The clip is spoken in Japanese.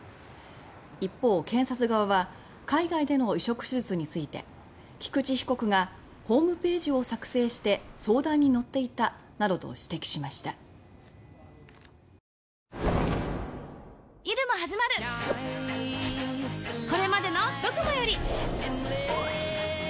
一方、検察側は海外での移植手術について菊池被告が「ホームページを作成して相談に乗っていた」などと三井ショッピングパークららぽーと